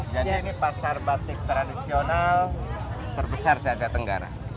jadi ini pasar batik tradisional terbesar di asia tenggara